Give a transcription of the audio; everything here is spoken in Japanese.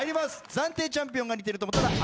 暫定チャンピオンが似てると思ったら赤。